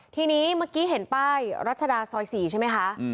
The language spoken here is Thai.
ทีนี้เมื่อกี้เห็นป้ายรัชดาซอย๔ใช่ไหมคะ